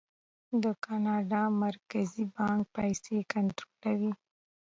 د کاناډا مرکزي بانک پیسې کنټرولوي.